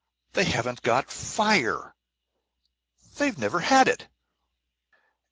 "They haven't got FIRE! They've never had it!"